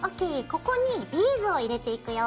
ここにビーズを入れていくよ。